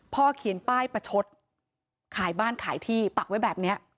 เขียนป้ายประชดขายบ้านขายที่ปักไว้แบบนี้